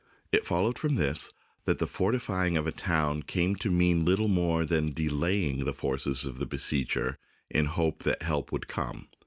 It followed from this that the fortifying of a town came to mean little more than delaying the forces of the besieger in the hope that help would come.